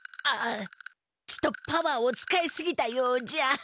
ああちとパワーを使いすぎたようじゃ。